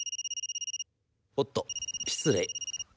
「おっと失礼。